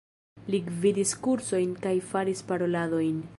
Li gvidis kursojn kaj faris paroladojn.